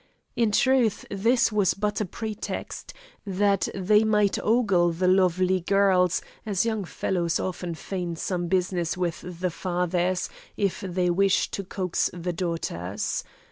In truth this was but a pretext, that they might ogle the lovely girls, as young fellows often feign some business with the fathers, if they wish to coax the daughters.